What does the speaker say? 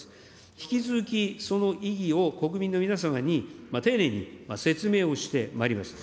引き続きその意義を国民の皆様に丁寧に説明をしてまいります。